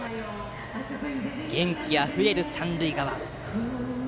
元気あふれる三塁側。